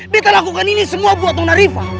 betta lakukan ini semua buat nona riva